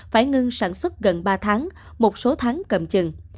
phải ngưng sản xuất gần ba tháng một số tháng cầm chừng